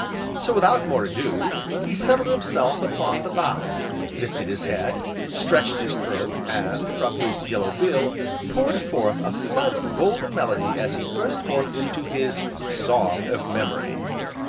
So, without more ado, he settled himself upon the bough, lifted his head, stretched his throat, and, from his yellow bill, poured forth a flood of golden melody as he burst forth into his "Song of Memory."